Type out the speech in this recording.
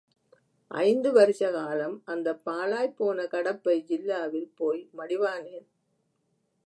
ஐந்து வருஷ காலம் அந்தப் பாழாய்ப் போன கடப்பை ஜில்லாவில் போய் மடிவானேன்?